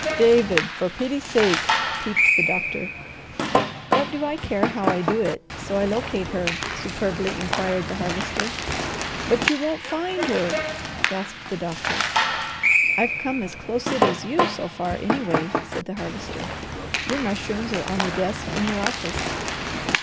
"David, for pity sake," peeped the doctor. "What do I care how I do it, so I locate her?" superbly inquired the Harvester. "But you won't find her!" gasped the doctor. "I've come as close it as you so far, anyway," said the Harvester. "Your mushrooms are on the desk in your office."